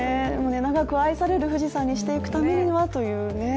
長く愛される富士山にしていくためにはというところで。